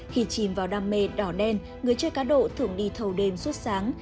khi chìm vào đam mê đỏ đen người chơi cá độ thường đi thâu đêm suốt sáng